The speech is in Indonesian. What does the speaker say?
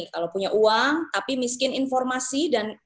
kalau punya uang tapi miskin informasi dan